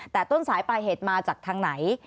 แต่ต้นสายปลายเหตุมาจากทางไหน